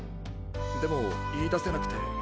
でもいいだせなくて。